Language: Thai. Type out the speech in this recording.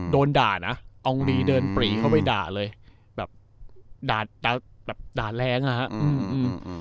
โดนด่านะอองรีเดินปรีเข้าไปด่าเลยแบบด่าด่าแรงอ่ะฮะอืมอืมอืม